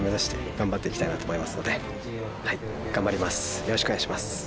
よろしくお願いします。